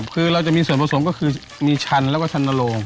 คือเราจะมีส่วนผสมก็คือมีชันแล้วก็ชันนโลง